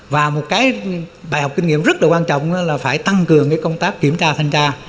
và một cái bài học kinh nghiệm rất là quan trọng là phải tăng cường công tác kiểm tra thanh tra